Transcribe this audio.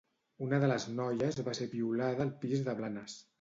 Una de les noies va ser violada al pis de Blanes.